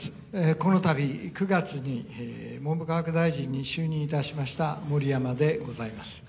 このたび９月に文部科学大臣に就任いたしました盛山でございます。